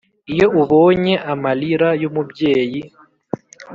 iyo ubonye amalira y’umubyeyi